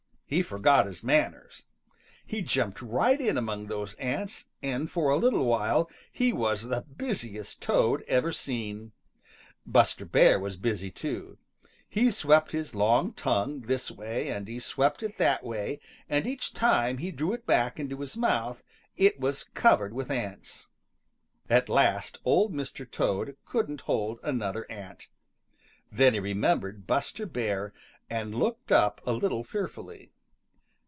He forgot his manners. He jumped right in among those ants, and for a little while he was the busiest Toad ever seen. Buster Bear was busy too. He swept his long tongue this way, and he swept it that way, and each time he drew it back into his mouth, it was covered with ants. At last Old Mr. Toad couldn't hold another ant. Then he remembered Buster Bear and looked up a little fearfully.